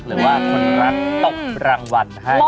หรือว่าคนรักตกรางวัลให้